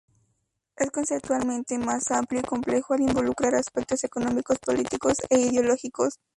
Es conceptualmente más amplio y completo al involucrar aspectos económicos, políticos e ideológicos.